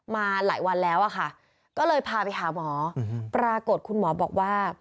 มาหลายวันแล้วอะค่ะก็เลยพาไปหาหมอปรากฏคุณหมอบอกว่า